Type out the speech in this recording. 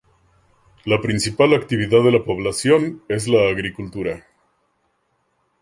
La principal actividad de la población es la agricultura.